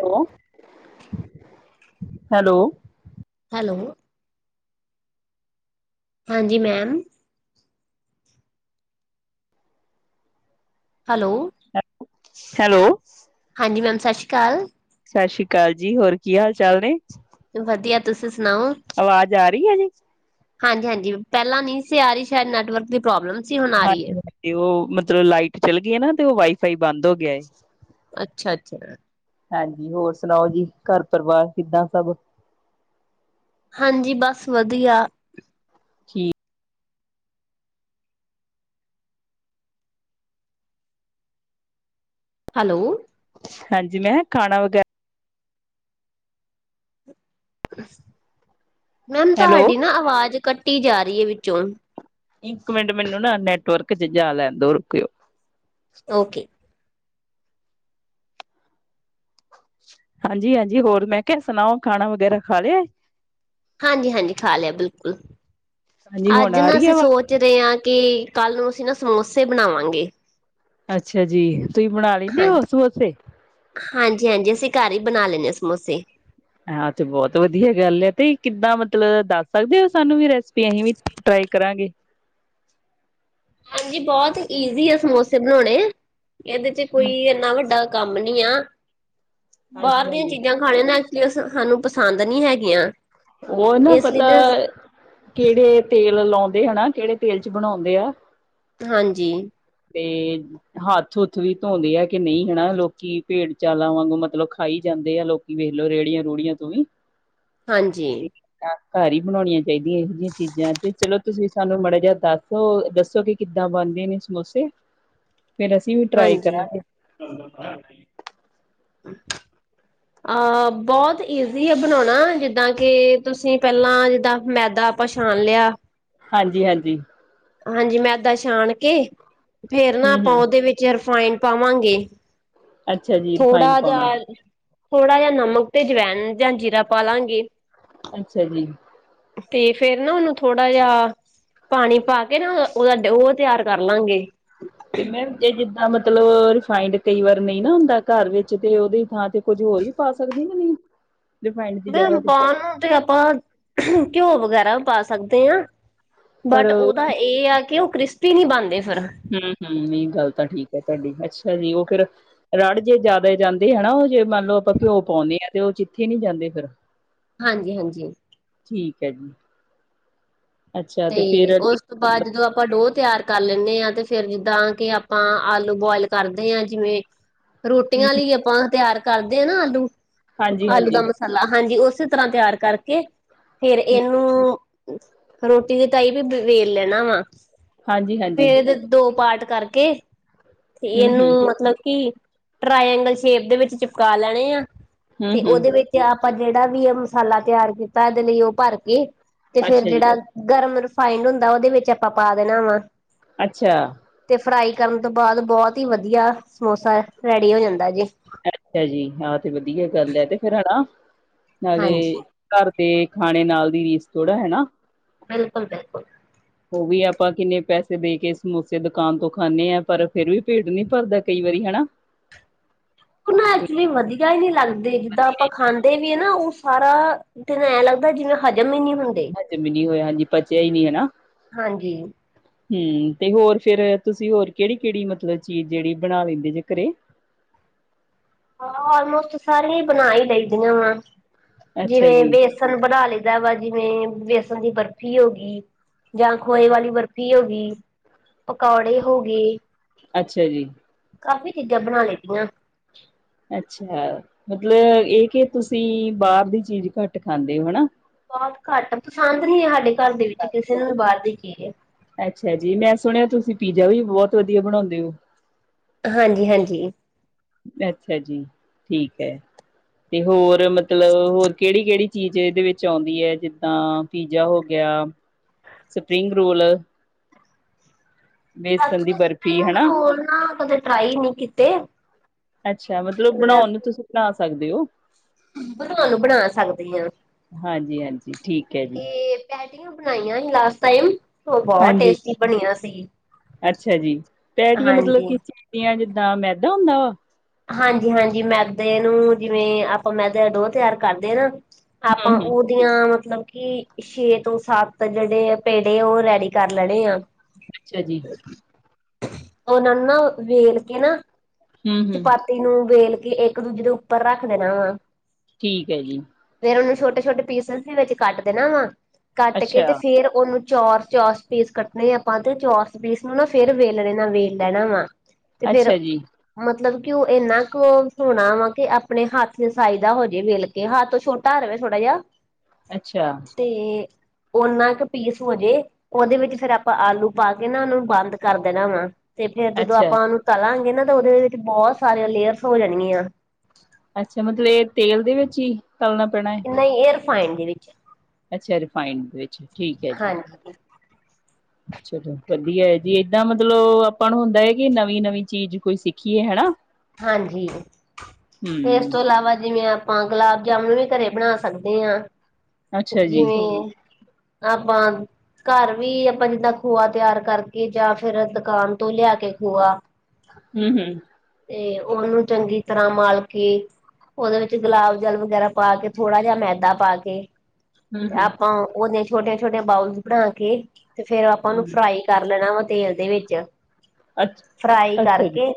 ੋ hello. Hello ਹਾਂਜੀ, ma'am hello, hello ਹਾਂਜੀ ma'am ਸਤਿ ਸ਼੍ਰੀ ਅਕਾਲ ਸਸ਼ੀ ਸ਼੍ਰੀ ਅਕਾਲ ਜੀ ਹੋਰ ਕੀ ਹਾਲ ਚਾਲ ਨੇ ਵਧੀਆ, ਤੁਸੀਂ ਸੁਣਾਓ? ਆਵਾਜ਼ ਆ ਰਹੀ ਐ ਜੀ ਹਾਂਜੀ, ਹਾਂਜੀ ਪਹਿਲਾਂ ਨਹੀਂ ਸੀ ਆ ਰਹੀ, ਸ਼ਾਇਦ ਨੈਟਵਰਕ ਦੀ ਪ੍ਰੋਬਲਮ। ਸੀ ਹੁਣ ਆ ਰਹੀ ਹੈ ਹਾਂਜੀ, ਉਹ ਮਤਲਬ ਲਾਈਟ ਚੱਲ ਗਈ ਏ ਨਾ, ਤੇ ਉਹ ਵਾਈਫਾਈ ਬੰਦ ਹੋ ਗਿਆ ਏ। ਅੱਛਾ-ਅੱਛਾ ਹਾਂਜੀ, ਹੋਰ ਸੁਣਾਓ ਜੀ, ਘਰ ਪਰਿਵਾਰ ਕਿੱਦਾਂ ਸਬ? ਹਾਂਜੀ, ਬਸ ਵਧੀਆ। ਠੀਕ। ਹੈਲੋ ਹਾਂਜੀ, ਮੈਂ ਖਾਣਾ ਵਗੈ। ਮੈਮ, ਹੈਲੋ ਤੁਹਾਡੀ ਨਾ, ਅਵਾਜ਼ ਕੱਟੀ ਜਾ ਰਹੀ ਹੈ ਵਿੱਚੋਂ। ਇੱਕ ਮਿੰਟ, ਮੈਨੂੰ ਨਾ, ਨੈਟਵਰਕ ਚ, ਜਾ ਲੈਨ ਦੋ, ਰੁਕਿਓ। ਓਕੇ। ਹਾਂਜੀ, ਹਾਂਜੀ ਹੋਰ ਮੈਂ ਕਿਆ ਸੁਣਾਓ ਖਾਣਾ ਵਗੈਰਾ ਖਾ ਲਿਆ? ਹਾਂਜੀ, ਹਾਂਜੀ ਖਾ ਲਿਆ ਬਿਲਕੁਲ, ਹਾਂਜੀ ਹੁਣ ਅੱਜ ਆ ਨਾ ਰਹੀ ਹੈ ਅਸੀਂ ਆਵਾਜ਼? ਸੋਚ ਜਦੇ ਆ ਕੇ, ਕੱਲ ਨੂੰ ਅਸੀਂ ਨਾ, ਸਮੋਸੇ ਬਣਾਵਾਂਗੇ। ਅੱਛਾ ਜੀ, ਤੁਸੀਂ ਬਣਾ ਲੈਂਦੇ ਹੋ ਹਾਂਜੀ ਸਮੋਸੇ? ਹਾਂਜੀ, ਹਾਂਜੀ ਅਸੀਂ ਘਰ ਹੀ ਬਣਾ ਲੈਂਦੇ ਹਾਂ, ਸਮੋਸੇ। ਹਾਂ, ਤੇ ਬਹੁਤ ਵਧੀਆ ਗੱਲ ਏ, ਤੇ ਕਿੱਦਾਂ ਮਤਲਬ ਦੱਸ ਸਕਦੇ ਹੋ? ਸਾਨੂੰ ਵੀ ਰੈਸਪੀ ਇਹੋ ਈ। ਟਰਾਈ ਕਰਾਂਗੇ। ਹਾਂਜੀ, ਬਹੁਤ ਈਜ਼ੀ ਏ, ਸਮੋਸੇ ਬਣਾਉਣੇ, ਇਹਦੇ ਚ ਕੋਈ ਹੂੰ, ਇੰਨਾ ਵੱਡਾ ਕੰਮ ਨੀ ਆ, ਹਾਂਜੀ ਬਾਹਰ ਦੀਆਂ ਹਾਂਜੀ ਚੀਜ਼ਾਂ। ਖਾਣੇ ਨਾ ਐਚੁਲੀ, ਸਾਨੂੰ ਪਸੰਦ ਨਹੀਂੀ ਹੈਗੀਆਂ। ਉਹ ਨਾ ਇਸ ਲਈ ਪਤਾ, ਕਿਹੜੇ ਤੇਲ ਲਾਉਂਦੇ ਹਨਾ, ਕਿਹੜੇ ਤੇਲ ਚ ਬਣਾਉਂਦੇ ਆ। ਹਾਂਜੀ। ਤੇ ਹੱਥ ਹੁੱਥ ਵੀ ਧੋਂਦੇ ਆ ਕਿ ਨਹੀਂ ਹਨਾ, ਲੋਕੀ ਭੇੜ ਚਾਲਾ ਵਾਂਗੂ, ਮਤਲਬ ਖਾਈ ਜਾਂਦੇ ਆ ਲੋਕ। ਵੇਖਲੋ ਰੇੜੀਆਂ ਰੂੜੀਆਂ ਤੂੰ ਵੀ। ਹਾਂਜੀ। ਤੇ ਘਰ ਹੀ ਬਣਾਉਣੀਆਂ ਪੈਂਦੀਆਂ, ਇਹੋ ਚੀਜ਼ਾਂ ਤੇ ਚਲੋ, ਤੁਸੀਂ ਸਾਨੂੰ ਮਾੜਾ ਜਿਹਾ ਦੱਸ ਤੋ ਦੱਸੋ, ਕਿ ਕਿੱਦਾਂ ਬਣਦੇ ਨੇ ਸਮੋਸੇ? ਫੇਰ ਅਸੀਂ ਵੀ ਟਰਾਈ ਹਾਂਜੀ। ਕਰਾਂਗੇ। [unintelligible] ਅਹ ਬਹੁਤ ਈਜ਼ੀ ਹੈ, ਬਣਾਉਣਾ ਜਿੱਦਾਂ ਕਿ ਤੁਸੀਂ ਪਹਿਲਾਂ ਜਿੱਦਾਂ ਮੈਦਾ ਛਾਣ ਲਿਆ। ਹਾਂਜੀ ਹਾਂਜੀ। ਹਾਂਜੀ ਮੈਂ ਇਦਾਂ ਛਾਣ ਕੇ ਫੇਰ ਨਾ ਹੂੰ ਆਪਾਂ ਹੂੰ ਉਹਦੇ ਵਿੱਚ ਰਿਫਾਈਨ ਪਾਵਾਂਗੇ। ਅੱਛਾ ਜੀ ਥੋੜਾ ਰਿਫਾਈਨ ਪਾਉਣਾ ਜਹਾ ਥੋੜ੍ਹਾ ਜਹਾ ਨਮਕ ਤੇ ਜਵੈਣ ਜਾਂ ਜੀਰਾ ਪਾ ਲਾਂਗੇ। ਅੱਛਾ ਜੀ। ਤੇ ਫੇਰ ਨਾ ਉਹਨੂੰ ਥੋੜਾ ਜਿਹਾ ਪਾਣੀ ਪਾ ਕੇ ਨਾ ਉਹਦਾ ਉਹ ਤਿਆਰ ਕਰ ਲਾਂਗੇ। ਤੇ ਮੈਮ ਇਹ ਜਿੱਦਾਂ ਮਤਲਬ ਰਿਫਾਇੰਡ ਕਈ ਵਾਰ ਨਹੀਂ ਨਾ ਹੁੰਦਾ ਘਰ ਵਿੱਚ, ਤੇ ਉਹਦੀ ਥਾਂ ਤੇ ਕੁੱਝ ਹੋਰ ਵੀ ਪਾ ਸਕਦੇ ਕੇ ਨਹੀਂ। [inaudible] ਜਗ੍ਹਾ ਮੈਮ ਤੇ ਪਾਉਣ ਨੂੰ ਤੇ ਆਪਾਂ ਘਿਓ ਵਗੈਰਾ ਵੀ ਪਾ ਸਕਦੇ ਹਾਂ। ਪਰ ਬਟ ਹੂੰ ਉਹਦਾ ਇਹ ਆ ਕਿ ਉਹ ਕ੍ਰਿਸਪੀ ਨਹੀਂ ਬਣਦੇ ਫਿਰ। ਹੂੰ ਹੂੰ ਇਹ ਗੱਲ ਤਾਂ ਠੀਕ ਹੈ, ਤੁਹਾਡੀ ਅੱਛਾ ਜੀ ਉਹ ਫਿਰ ਰੜ ਜੇ ਜ਼ਿਆਦਾ ਜਾਂਦੇ ਹਨਾ, ਉਹ ਜੇ ਮੰਨ ਲਓ ਆਪਾਂ ਘਿਓ ਪਾਉਂਦੇ ਆ, ਤੇ ਉਹ ਚਿੱਥੇ ਨੀ ਜਾਂਦੇ ਫਿਰ ਹਾਂਜੀ ਹਾਂਜੀ। ਠੀਕ ਹੈ ਜੀ। ਅੱਛਾ ਤੇ ਫਿਰ ਉਸ ਉਸ ਤੋਂ ਬਾਅਦ ਹੂੰ ਜਦੋਂ ਆਪਾਂ ਲੋਹ ਤਿਆਰ ਕਰ ਲੈਂਦੇ ਹਾਂ, ਤੇ ਫੇਰ ਜਿੱਦਾਂ ਕਿ ਆਪਾਂ ਆਲੂ ਬੋਆਇਲ ਕਰਦੇ ਹਾਂ। ਜਿਵੇਂ ਹੂੰ। ਰੋਟੀਆਂ ਲਈ ਆਪਾਂ ਤਿਆਰ ਕਰਦੇ ਹਾਂ ਨਾ ਆਲੂ, ਹਾਂਜੀ ਆਲੂ ਦਾ ਹਾਂਜੀ ਹੂੰ ਮਸਾਲਾ ਮਸਾਲਾ ਹਾਂਜੀ ਉਸੇ ਤਰ੍ਹਾਂ ਤਿਆਰ ਕਰਕੇ, ਫੇਰ ਇਹਨੂੰ ਰੋਟੀ ਦੀ ਤਾਈ ਵੀ ਵੇਲ ਲੈਣਾ ਵਾ, ਹਾਂਜੀ ਫਿਰ ਹਾਂਜੀ ਇਹਦੇ ਦੋ ਪਾਰਟ ਕਰਕੇ ਕੇ ਤੇ ਫਿਰ ਹੂੰ ਇਹਨੂੰ ਹੂੰ ਮਤਲਬ ਕਿ ਟ੍ਰਾਈਅੰਗਲ ਸ਼ੇਪ ਦੇ ਵਿੱਚ ਚਿਪਕਾ ਲੈਣੇ ਆ, ਹੂੰ ਤੇ ਹੂੰ ਉਹਦੇ ਵਿੱਚ ਤੇ ਆਪਾਂ ਜਿਹੜਾ ਵੀ ਆ ਮਸਾਲਾ ਤਿਆਰ ਕੀਤਾ, ਇਹਦੇ ਲਈ ਉਹ ਭਰ ਕੇ, ਤੇ ਫੇਰ ਅੱਛਾ ਜੀ ਜਿਹੜਾ ਗਰਮ ਰਿਫਾਇੰਡ ਹੁੰਦਾ ਉਹਦੇ ਵਿੱਚ ਆਪਾਂ ਪਾ ਦੇਣਾ ਵਾ। ਅੱਛਾ। ਤੇ ਫਰਾਈ ਕਰਨ ਤੋਂ ਬਾਅਦ ਬਹੁਤ ਹੀ ਵਧੀਆ, ਸਮੋਸਾ ਰੈਡੀ ਹੋ ਜਾਂਦਾ ਜੇ। ਅੱਛਾ ਜੀ, ਹਾਂ ਤੇ ਵਧੀਆ ਗੱਲ ਹੈ ਤੇ ਫੇਰ ਹੈ ਨਾ ਨਾਲੇ ਹਾਂਜੀ ਘਰ ਦੇ ਖਾਣੇ ਨਾਲ ਦੀ ਰੀਸ ਥੋੜ੍ਹਾ ਹੈਨਾ। ਬਿਲਕੁਲ ਬਿਲਕੁਲ। [inaudible] ਉਹ ਵੀ ਆਪਾਂ ਕਿੰਨੇ ਪੈਸੇ ਦੇ ਕੇ ਸਮੋਸੇ ਦੁਕਾਨ ਤੋਂ ਖਾਂਦੇ ਹਾਂ ਪਰ, ਫਿਰ ਵੀ ਢਿੱਡ ਨੀ ਭਰਦਾ ਕਈ ਵਾਰੀ ਹੈਨਾ। ਉਹ ਨਾ ਐਕਚੁਲੀ ਵਧੀਆ ਹੀ ਨੀ ਲਗਦੇ, ਜਿੱਦਾਂ ਆਪਾਂ ਖਾਣ ਵੀ ਹੈ ਨਾ ਉਹ ਸਾਰਾ, ਦਿਨ ਐਂ ਲੱਗਦਾ ਜਿਵੇਂ ਹਜ਼ਮ ਹੀ ਨੀ ਹੁੰਦਾ। ਹਜਮ ਹੀ ਨਹੀਂ ਹੋਇਆ, ਹਾਂਜੀ ਪਚਿਆ ਹੀ ਨਹੀਂ ਹਨਾ। ਹਾਂਜੀ। ਹੂੰ, ਤੇ ਹੋਰ ਫਿਰ, ਤੁਸੀਂ ਹੋਰ ਕਿਹੜੀ ਕਿਹੜੀ ਮਤਲਬ ਚੀਜ਼ ਜਿਹੜੀ ਬਣਾ ਲੈਂਦੇ ਜੇ ਘਰੇ। ਹਾਂ ਆਲਮੋਸਟ ਸਾਰੀਆਂ ਹੀ ਬਣਾ ਹੀ ਲੈਂਦੀਆ ਵਾ, ਅੱਛਾ ਜਿਵੇਂ ਜੀ ਬੇਸਣ ਸਨ ਬਣਾ ਲਈਦਾ ਵਾ ਜਿਵੇਂ ਬੇਸਣ ਦੀ ਬਰਫ਼ੀ ਹੋ ਗਈ। ਜਾਂ ਖੋਏ ਵਾਲੀ ਬਰਫ਼ੀ ਹੋ ਗਈ, ਪਕੌੜੇ ਹੋ ਗਏ। ਅੱਛਾ ਜੀ। ਕਾਫ਼ੀ ਚੀਜ਼ਾਂ ਬਣਾ ਲਈ ਦੀਆਂ ਵਾਂ। ਅੱਛਾ, ਮਤਲਬ ਇਹ ਕਿ ਤੁਸੀਂ ਬਾਹਰ ਦੀ ਚੀਜ਼ ਘੱਟ ਖਾਂਦੇ ਹੋ ਹਨਾ। ਬਹੁਤ ਘੱਟ, ਪਸੰਦ ਨਹੀਂ ਹੈ ਸਾਡੇ ਘਰ ਦੇ ਵਿੱਚ ਕਿਸੇ ਨੂੰ ਵੀ ਬਾਹਰ ਦੀ ਚੀਜ਼। ਅੱਛਾ ਜੀ ਮੈਂ ਸੁਣਿਆ ਤੁਸੀਂ ਪੀਜ਼ਾ ਵੀ ਬਹੁਤ ਵਧੀਆ ਬਣਾਉਂਦੇ ਹੋ। ਹਾਂਜੀ ਹਾਂਜੀ! ਅੱਛਾ ਜੀ,,, ਠੀਕ ਹੈ ਤੇ ਹੋਰ ਮਤਲਬ ਹੋਰ ਕਿਹੜੀ ਕਿਹੜੀ ਚੀਜ਼ ਇਹਦੇ ਵਿੱਚ ਆਉਂਦੀ ਹੈ ਜਿੱਦਾਂ? ਪੀਜ਼ਾ ਹੋ ਗਿਆ, ਸਪਰਿੰਗ ਰੋਲ, ਬੇਸਨ ਦੀ ਬਰਫ਼ੀ ਸਪਿੰਗ ਹਨਾ। ਰੋਲ ਨਾ ਕਦੇ ਟਰਾਈ ਨਹੀਂ ਕੀਤੇ, ਅੱਛਾ ਮਤਲਬ ਬਣਾਉਣ ਨੂੰ ਤੁਸੀਂ ਬਣਾ ਸਕਦੇ ਹੋ, ਬਣਾਉਣ ਨੂੰ ਬਣਾ ਸਕਦੀ ਹਾਂ! ਹਾਂਜੀ ਹਾਂਜੀ ਠੀਕ ਹੈ ਜੀ! ਪੈਟੀਆ ਬਣਾਈਆਂ ਹੀ ਲਾਸਟ ਟਾਈਮ ਸ ਬਹੁਤ ਹਾਂਜੀ ਟੇਸਟੀ ਬਣਿਆ ਸੀ ਅੱਛਾ ਜੀ ਪਟੀਆਂ ਮਤਲਬ ਹਾਂਜੀ। ਕੀ ਚੀਜ਼ ਦੀਆਂ ਜਿੱਦਾਂ ਮੈਦਾ ਹੁੰਦਾ ਵਾ? ਹਾਂਜੀ ਹਾਂਜੀ ਮੈਦੇ ਨੂੰ ਜਿਵੇਂ ਆਪਾਂ ਮੈਦੇ ਦਾ ਡੋ ਤਿਆਰ ਕਰਦੇ ਹ ਨਾ! ਆਪਾਂ ਉਹ, ਹੂੰ-ਹੂੰ ਉਹ ਦੀਆਂ ਮਤਲਬ ਕਿ ਛੇ ਤੋਂ ਸੱਤ ਜਿਹੜੇ ਪੇੜੇ ਉਹ ਰੈਡੀ ਕਰ ਲੈਣੇ ਆ ਅੱਛਾ ਜੀ ਤੇ! ਉਹਨਾਂ ਨੂੰ ਨਾ ਵੇਲ ਕੇ ਨਾ, ਹੂੰ-ਹੂੰ ਚਪਾਤੀ ਨੂੰ ਵੇਲ ਕੇ ਇੱਕ ਦੂਜੇ ਦੇ ਉੱਪਰ ਰੱਖ ਦੇਣਾ ਵਾ, ਠੀਕ ਹੈ ਜੀ! ਫੇਰ ਉਹਨੂੰ ਛੋਟੇ ਛੋਟੇ ਪੀਸਾ ਵਿੱਚ ਕੱਟ ਦੇਣਾ ਵਾ ਕੱਟ ਕੇ ਅੱਛਾ। ਫੇਰ ਉਹਨੂੰ, ਚੋਰਚ ਚੋਰਸ ਪੀਸ ਕੱਟਣੇ ਆਪਾਂ ਤੇ ਚੋਰਸ਼ ਪੀਸ ਨੂੰ ਨਾ ਫੇਰ ਵੇਲਣੇ ਨਾਲ ਵੇਲ ਲੈਣਾ ਵਾ, ਤੇ ਫੇਰ,, ਅੱਛਾ ਜੀ ਮਤਲਬ ਕਿ ਉਹ ਇੰਨਾ ਕੁ ਸੋਣਾ ਵਾ ਕਿ ਆਪਣੇ ਹੱਥ ਨ ਸਾਈਜ਼ ਦਾ ਹੋਜਾਏ ਵੇਲ ਕੇ, ਹੱਥ ਛੋਟਾ ਰਵੇਂ ਥੋੜਾ ਜਾ, ਅੱਛਾ! ਤੇ, ਓਨਾ ਕੁ ਪੀਸ ਹੋਜੇ, ਉਹਦੇ ਵਿੱਚ ਫੇਰ ਆਪਾਂ ਆਲੂ ਪਾ ਕੇ ਨਾ ਉਹਨੂੰ ਬੰਦ ਕਰ ਦੇਣਾ ਵਾ, ਤੇ ਫੇਰ ਜਦੋਂ ਅੱਛਾ ਆਪਾਂ ਉਹਨੂੰ ਤਲਾਂਗੇ ਨਾ ਤਾਂ ਉਹਦੇ ਵਿੱਚ ਬਹੁਤ ਸਾਰੀਆਂ ਲੇਅਰਸ ਹੋ ਜਾਣਗੀਆਂ, ਅੱਛਾ ਮਤਲਬ ਇਹ ਤੇਲ ਦੇ ਵਿੱਚ ਹੀ ਤਲਣਾ ਪੈਣਾ,, ਹੈ ਨਹੀਂ ਰਿਫਾਇੰਡ ਦੇ ਵਿੱਚ! ਅੱਛਾ ਰਿਫਾਈੰਡ ਵਿੱਚ ਠੀਕ ਹੈ ਜੀ ਹਾਂਜੀ-ਹਾਂਜੀ ਚਲੋ ਵਧੀਆ ਹੈ ਜੀ ਏਦਾਂ ਮਤਲਬ ਆਪਾਂ ਨੂੰ ਹੁੰਦਾ ਹੈ ਕਿ ਨਵੀਂ ਨਵੀਂ ਚੀਜ਼ ਕੋਈ ਸਿੱਖੀਏ ਹੈ ਨਾ, ਹਾਂਜੀ, ਇਸ ਹੂੰ ਤੋਂ ਇਲਾਵਾ ਜਿਵੇਂ ਆਪਾਂ ਗੁਲਾਬ ਜਾਮੁਨ ਵੀ ਘਰੇ ਬਣਾ ਸਕਦੇ ਹਾਂ, ਅੱਛਾ ਜੀ ਜਿਵੇਂ ਆਪਾ,, ਘਾਰ ਵੀ ਆਪਾਂ ਜਿੱਦਾਂ ਖੋਆ ਤਿਆਰ ਕਰਕੇ ਜਾਂ ਫਿਰ ਦੁਕਾਨ ਤੋਂ ਲਿਆ ਕੇ ਖੋਆ, ਹੂ ਹੂ ਤੇ ਉਹਨੂੰ ਚੰਗੀ ਤਰ੍ਹਾਂ ਮਲ ਕੇ, ਉਹਦੇ ਵਿੱਚ ਗੁਲਾਬ ਜਲ ਵਗੈਰਾ ਪਾ ਕੇ ਥੋੜਾ ਜਿਹਾ ਮੈਦਾ ਪਾ ਕੇ, ਹੂੰ, ਤੇ ਹੂੰ, ਆਪਾਂ ਉਹਦੀਆਂ ਛੋਟੀਆਂ ਛੋਟੀਆਂ ਬਾਊਲ ਬਣਾ ਕੇ ਤੇ ਫੇਰ ਆਪਾਂ ਉਹਨੂੰ ਹੂੰ, ਫਰਾਈ, ਕਰ ਲੈਣਾ ਵਾ ਤੇਲ ਦੇ ਵਿੱਚ ਅੱਛ ਫਰਾਈ ਅੱਛਾ ਜੀ, ਕਰਕੇ,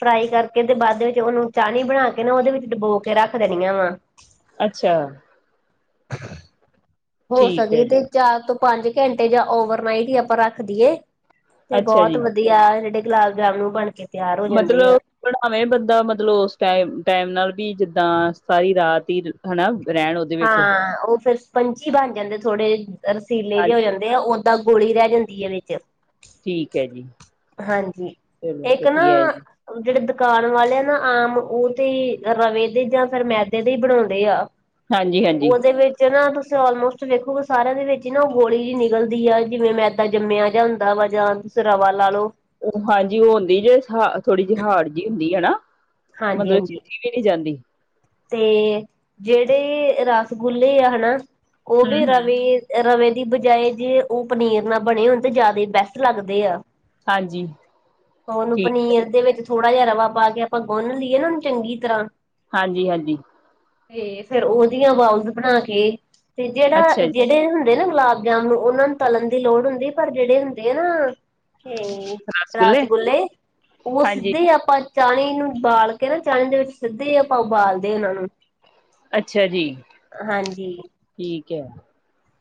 ਫਰਾਈ ਕਰਕੇ ਤੇ ਬਾਅਦ ਵਿੱਚ ਉਹਨੂੰ ਚਾਸ਼ਣੀ ਬਣਾ ਕੇ ਨਾ ਉਹਦੇ ਵਿੱਚ ਡਬੋ ਕੇ ਰੱਖ ਦੇਣੀ ਆ ਵਾ, ਅੱਛਾ,,, ਹੋ ਠੀਕ ਹੈ ਸਕੇ ਤੇ ਜੀ, ਚਾਰ ਤੋਂ ਪੰਜ ਘੰਟੇ ਜਾਂ ਓਵਰਨਾਈਟ ਹੀ ਆਪਾਂ ਰੱਖ ਦੀਏ, ਤੇ ਅੱਛਾ ਬਹੁਤ ਜੀ। ਵਧੀਆ ਜਿਹੜੇ ਗੁਲਾਬ ਜਾਮਨ ਉਹ ਬਣ ਕੇ,, ਤਿਆਰ ਹੋ ਜਾਂਦੇ ਮਤਲਬ,,, ਆ ਬਣਾਵੇਂ ਬੰਦਾ ਮਤਲਬ ਉਸ ਟਮ ਟਾਈਮ ਨਾਲ ਵੀ ਜਿੱਦਾਂ ਸਤਾਈ ਰਾਤ ਹੀ ਹਨਾ ਰਹਿਣ,,, ਵਿੱਚ ਹਾਂ ਉਹ ਫੇਰ ਸਪੰਚੀ ਬਣ ਜਾਂਦੇ ਥੋੜੇ ਰਸੀਲੇ ਜਿਹੇ ਹੋ ਹਾਂਜੀ, ਜਾਦੇ। ਦੇ ਆ ਓਦਾਂ ਗੋਲੀ ਰਹਿ ਜਾਂਦੀ ਹੈ ਵਿੱਚ,, ਠੀਕ ਹੈ ਜੀ, ਹਾਂਜੀ, ਚਲੋ ਇੱਕ ਨਾ, ਵਧੀਆ ਹੈ ਜੀ। ਜਿਹੜੇ ਦੁਕਾਨ ਵਾਲੇ ਆ ਨਾ ਆਮ ਉਹ ਤੇ ਰਵੇ ਦੇ ਜਾਂ ਫੇਰ ਮੈਦੇ ਦੇ ਹੀ ਬਣਾਉਂਦੇ ਆ। ਹਾਂਜੀ-ਹਾਂਜੀ, ਹਾਂਜੀ ਉਹਦੇ ਵਿੱਚ ਚ ਨਾ ਤੁਸੀਂ ਆਲਮੋਸਟ ਵੇਖੋਗੇ ਸਾਰਿਆਂ ਦੇ ਵਿੱਚ ਹੀ ਨਾ ਉਹ ਗੋਲੀ ਜਿਹੀ ਨਿਕਲਦੀ ਆ ਜਿਵੇਂ ਮੈਦਾ ਜੰਮਿਆ ਜਾਿਹਾ ਹੁੰਦਾ ਵਾ ਜਾਂ ਸਰਾਵਾ ਲਾ ਲੋ। ਉਹ ਹਾਰਡ ਜਿਹੀ ਹੁੰਦੀ ਜੇ, ਹਾ ਥੋੜ੍ਹੀ ਜਿਹੀ ਹਾਰਡ ਜੀ ਹੁੰਦੀ ਹੈਣਾ? ਹਾਂਜੀ ਮਤਲਬ ਚਿ ਹਾਂਜੀ ਚੁੱਕੀ ਨੀਂ ਜਾਂਦੀ। ਤੇ, ਜਿਹੜੇ ਰਸਗੁੱਲੇ ਆ ਨਾ ਉਹ ਵੀ ਹੂੰ-ਹੂੰ, ਰਵੇ ਇਹ ਰਵੇ ਦੀ ਬਜਾਏ ਜੇ ਉਹ ਪਨੀਰ ਨਾਲ ਬਣੇ ਹੋਣ ਤੇ ਜਾਦਾ ਈ ਬੈਸਟ ਲੱਗਦੇ ਆ। ਹਾਂਜੀ ਉਹਨੂੰ ਠੀਕ, ਪਨੀਰ ਦੇ ਵਿੱਚ ਥੋੜਾ ਜਿਹਾ ਰਵਾ ਪਾ ਕੇ ਆਪਾਂ ਗੁੰਨ ਲਈਏ ਨਾ ਉਹਨੂੰ ਚੰਗੀ ਤਰ੍ਹਾਂ। ਹਾਂਜੀ- ਹਾਂਜੀ। ਤੇ ਫਿਰ ਓਦੀਆ ਬਾਊਜ ਬਣਾ ਕੇ, ਤੇ ਜੇੜਾ ਅੱਛਾ ਜ ਜੀ, ਚਿੱਟੇ ਹੁੰਦੇ ਨਾ ਗੁਲਾਬ ਜਾਮੁਨ ਉਨਾਂ ਨੂੰ ਤਲਨ ਦੀ ਲੋੜ ਹੁੰਦੀ ਪਰ ਜਿਹੜੇ ਹੁੰਦੈ ਨਾ ਤੇ, ਰਸਗੁੱਲੇ ਉਹ ਹਾਂਜੀ, ਸਿੱਧੇ ਹੀ ਆਪਾਂ ਚਾਸ਼ਣੀ ਨੂੰ ਬਾਲ ਕੇ ਨਾ, ਚਾਸ਼ਣੀ ਦੇ ਵਿੱਚ ਸਿੱਧੇ ਈ ਆਪਾਂ ਉਬਾਲਦੇ ਉਹਨਾਂ ਨੂੰ। ਅੱਛਾ ਜੀ। ਹਾਂਜੀ। ਠੀਕ ਐ।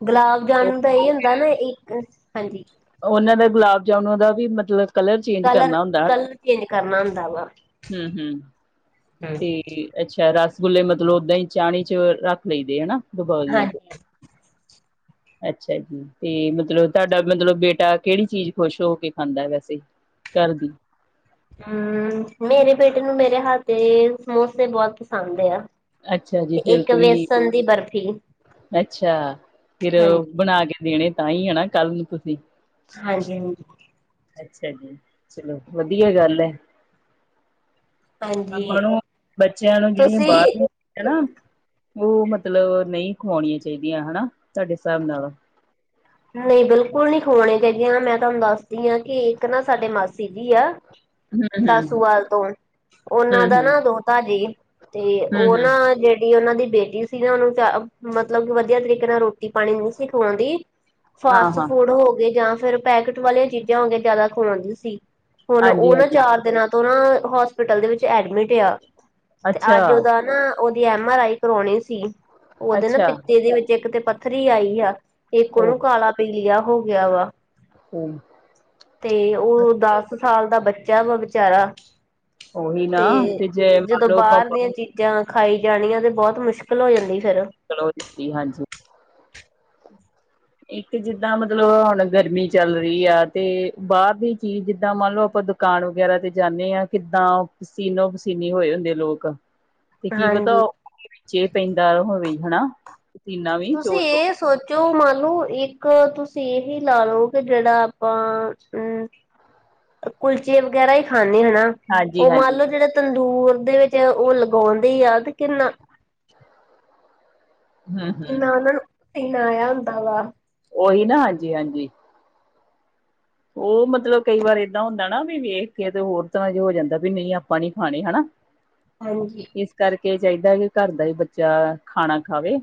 ਗੁਲਾਬ ਜਾਮੁਨ ਦਾ ਇਹੀ ਹੁੰਦਾ ਨਾ, ਇੱਕ ਹਾਂਜੀ। ਉਹਨਾਂ ਦੇ ਗੁਲਾਬ ਜਾਮੁਣਾ ਦਾ ਵੀ ਮਤਲਬ ਕਲਰ ਚੇਂਜ ਕਰਨਾ ਹੁੰਦੈ, ਕਲਰ ਚੇਂਜ ਕਰਨਾ ਹੁੰਦਾ ਵਾ ਹੂੰ ਹੂੰ। ਤੇ ਅੱਛਾ ਰਸਗੁੱਲੇ ਮਤਲਬ ਓਦਾਂ ਹੀ ਚਾਣੀ ਚ ਰੱਖ ਲਈਦੇ ਹੈਣਾ? ਉਬਾਲ ਲਈ ਦੇ। ਹਾਂਜੀ ਅੱਛਾ ਜੀ, ਤੇ ਮਤਲਬ ਤੁਹਾਡਾ ਮਤਲਬ ਬੇਟਾ ਕਿਹੜੀ ਚੀਜ਼ ਖੁਸ਼ ਹੋ ਕੇ ਖਾਂਦੈ ਵੈਸੇ? ਕਰਦੀ। ਹੂੰ, ਮੇਰੇ ਬੇਟੇ ਨੂੰ ਮੇਰੇ ਹੱਥ ਦੇ ਸਮੋਸੇ ਬਹੁਤ ਪਸੰਦ ਆ। ਅੱਛਾ ਜੀ, ਤੇ ਫਿਰ ਇੱਕ ਤੁਹੀ, ਵੇਸਣ ਦੀ ਬਰਫ਼ੀ ਅੱਛਾ ਫਿਰ ਹਾਂਜੀ ਬਣਾ ਕੇ ਦੇਣੇ ਤਾਂ ਈ ਹੈ ਨਾ ਕੱਲ ਨੂੰ ਤੁਸੀਂ। ਹਾਂਜੀ-ਹਾਂਜੀ। ਅੱਛਾ ਜੀ, ਚਲੋ ਵਧੀਆ ਗੱਲ ਐ। ਆਪਾਂ ਹਾਂਜੀ ਨੂੰ, ਬੱਚਿਆਂ ਨੂੰ ਜਿਹੜੀਆਂ ਤੁਸੀਂ ਬਾਹਰ ਦੀਆਂ ਹੈਣਾ, ਉਹ ਮਤਲਬ ਨਹੀਂ ਖਵਾਉਣੀਆਂ ਚਾਹੀਦੀਆਂ, ਹੈਣਾ ਤੁਹਾਡੇ ਹਿਸਾਬ ਨਾਲ। ਨਹੀਂ ਬਿਲਕੁਲ ਨੀ ਖਵਾਣੇ ਚਾਹੀਦੀਆਂ। ਮੈਂ ਤੁਹਾਨੂੰ ਦੱਸਦੀ ਹਾਂ ਕਿ ਇੱਕ ਨਾ ਸਾਡੇ ਮਾਸੀ ਜੀ ਐ ਹੂੰ ਹੂੰ ਦਾਸੂਵਾਲ ਤੋਂ। ਉਹਨਾਂ ਹਮ ਦਾ ਹਮ ਨਾ ਦੋਤਾ ਜੇ ਤੇ ਹਮ ਉਹ ਹਮ ਨਾ ਜਿਹੜੇ ਤੇ ਉਹਨਾਂ ਦੀ ਬੇਟੀ ਸੀ ਨਾ, ਉਹਨੂੰ ਚ ਮਤਲਬ ਕਿ ਵਧੀਆ ਤਰੀਕੇ ਨਾਲ ਰੋਟੀ ਪਾਣੀ ਨਹੀਂ ਸੀ ਖਵਾਉਂਦੀ। ਹਾਂ ਫਾਸਟ ਹਾਂ ਫੂਡ ਹੋ ਗਏ ਜਾਂ ਫਿਰ ਪੈਕਟ ਵਾਲੀਆਂ ਚੀਜ਼ਾਂ ਹੋ ਗਈਆ, ਜ਼ਿਆਦਾ ਖਵਾਉਂਦੀ ਸੀ। ਹੁਣ ਹਾਂਜੀ ਉਹ ਨਾ ਹਾਂਜੀ ਚਾਰ ਦਿਨਾਂ ਤੋਂ ਨਾ ਹੋਸਪਿਟਲ ਦੇ ਵਿੱਚ ਐਡਮਿਟ ਆ। ਤੇ ਅੱਛਾ ਅੱਜ ਉਹਦਾ ਨਾ, ਉਹਦੀ ਐਮ ਆਰ ਆਈ ਕਰਵਾਉਣੀ ਸੀ। ਉਹਦੇ ਨਾ ਅੱਛਾ ਪਿੱਤੇ ਦੇ ਵਿੱਚ ਇੱਕ ਤੇ ਪਥ ਥ੍ਰੀ ਆਈ ਆ, ਇੱਕ ਹੋ ਉਹਨੂੰ ਕਾਲਾ ਪੀਲਿਆ ਹੋ ਗਿਆ ਵਾ। ਉਹ! ਤੇ ਓ ਦਸ ਸਾਲ ਦਾ ਬੱਚਾ ਵਾ ਵਿਚਾਰਾ। ਉਹੀ ਨਾ ਤੇ ਜੇ ਜਦੋਂ ਮੰਨ ਲਓ ਆਪਾਂ ਬਾਰ ਦੀਆਂ ਚੀਜ਼ ਜਾਂ ਖਾਈ ਜਾਣੀਆ ਤੇ ਬਹੁਤ ਮੁਸ਼ਕਿਲ ਹੋ ਜਾਂਦੀ ਫੇਰ। ਜੀ ਹਾਂਜੀ। ਇੱਕ ਜਿੱਦਾਂ ਮਤਲਬ ਹੁਣ ਗਰਮੀ ਚੱਲ ਰਹੀ ਆ ਤੇ ਬਾਰ ਦੀ ਚੀਜ਼, ਜਿੱਦਾਂ ਮੰਨ ਲਓ ਆਪਾਂ ਦੁੱ ਕਾਡ ਵਗੈਰਾ ਤੇ ਜਾਂਨੇ ਆਂ, ਕਿੱਦਾਂ ਪਸੀਨੋ-ਪਸੀਨੀ ਹੋਏ ਹੁੰਦੇ ਲੋਕ। ਤੇ ਕੀ ਪਤਾ ਹਾਂਜੀ ਓਦੇ ਵਿੱਚੇ ਪੈਂਦਾ ਹੋਵੇ, ਹੈਨਾ। ਤੁਸੀਂ ਏਸ ਸੋਚੋ, ਮੰਨ ਲੋ ਇੱਕ ਤੁਸੀਂ ਏਹੀ ਲਾ ਲੋ ਕਿ ਜੇੜਾ ਆਪਾਂ ਅ ਕੁਲਚੇ ਵਗੈਰਾ ਈ ਖਾਂਦੇ ਹੈਨਾ। ਹਾਂਜੀ ਤੇ ਮੰਨ ਹਾਂਜੀ ਲਓ, ਜੇੜਾ ਤੰਦੂਰ ਦੇ ਵਿੱਚ ਓ ਲਗਾਉਂਦੇ ਆ ਤੇ ਕਿੰਨਾ ਹਮ ਹਮ ਈਨਾਂ ਨੂੰ, [unintelligible] ਹੁੰਦਾ ਵਾ। ਓਹੀ ਨਾ ਹਾਂਜੀ-ਹਾਂਜੀ। ਓ ਮਤਲਬ ਕਈ ਵਾਰ ਏਦਾਂ ਹੁੰਦਾ ਨਾ ਵੀ ਵੇਖ ਕੇ ਤੇ ਹੋਰ ਤਰ੍ਹਾਂ ਜ ਹੋ ਜਾਂਦਾ ਵੀ ਨਈ ਆਪਾਂ ਨੀ ਖਾਣੀ ਹਨਾ। [inaudible] ਹਾਂਜੀ। ਇਸ ਕਰਕੇ ਚਾਈਦਾ ਕਿ ਘਰ ਦਾ ਹੀ ਬੱਚਾ ਖਾਣਾ ਖਾਵੇ।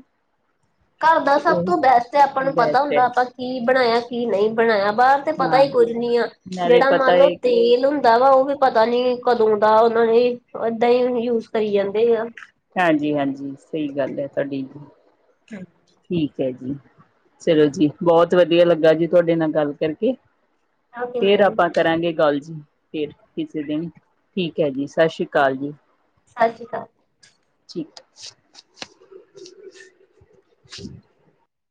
ਘਰ ਦਾ ਤੇ ਸਭ ਉਹੀ ਤੋਂ ਬੈਸਟ ਆਪਾਂ ਨੂੰ ਪਤਾ ਬੈਸਟ ਹੈ ਹੁੰਦਾ ਆਪਾਂ ਕੀ ਬਣਾਇਆ ਕੀ ਨਹੀਂ ਬਣਾਇਆ, ਬਾਰ ਤੇ ਪਤਾ ਹਾਂ ਈ ਕੁੱਝ ਨੀ ਆ, ਨਾਲੇ ਜੇੜਾ ਮੰਨ ਪਤਾ ਲਓ ਹੈ ਤੇਲ ਹੁੰ ਦਾ ਵਾ ਓ ਵੀ ਪਤਾ ਨੀ ਕਦੋਂ ਦਾ ਓਨਾਂ ਨੇ ਏਦਾਂ ਹੀ ਯੂਜ ਕਰੀ ਜਾਂਦੇ ਆ। ਹਾਂਜੀ-ਹਾਂਜੀ ਸਈ ਗੱਲ ਐ ਤੁਹਾਡੀ ਜੀ। [unintelligible] ਠੀਕ ਐ ਜੀ, ਚਲੋ ਜੀ ਬਹੁਤ ਵਧੀਆ ਲੱਗਾ ਜੀ ਤੁਹਾਡੇ ਨਾਲ ਗੱਲ ਕਰਕੇ। ਓਕੇ ਫੇਰ ਮੈਮ ਆਪਾਂ ਕਰਾਂਗੇ ਗੱਲ ਜੀ, ਫਿਰ ਕਿਸੇ ਦਿਨ ਠੀਕ ਹੈ ਜੀ ਸਤਿ ਸ਼੍ਰੀ ਅਕਾਲ ਜੀ। ਸਤਿ ਸ਼੍ਰੀ ਅਕਾਲ। ਠੀਕ। [inaudible]